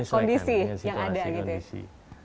kondisi yang ada gitu